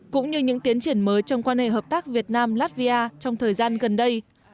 cũng như những tiến triển mới trong quan hệ hợp tác việt nam latvia trong thời gian gần đây